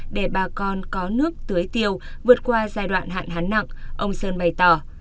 để bà con có nước tưới tiêu vượt qua giai đoạn hạn hán nặng ông sơn bày tỏ